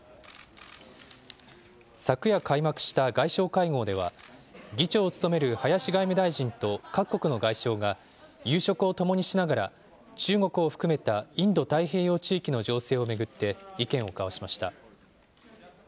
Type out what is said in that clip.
昨夜開幕した外相会合では、議長を務める林外務大臣と各国の外相が、夕食をともにしながら中国を含めたインド太平洋地域の情勢を巡って意見を交わしました。